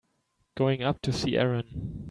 Going up to see Erin.